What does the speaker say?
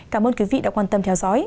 cảm ơn quý vị đã quan tâm theo dõi